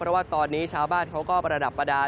เพราะว่าตอนนี้ชาวบ้านเขาก็ประดับประดาษ